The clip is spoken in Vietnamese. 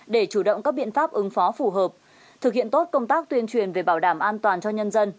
để chủ động các biện pháp ứng phó phù hợp thực hiện tốt công tác tuyên truyền về bảo đảm an toàn cho nhân dân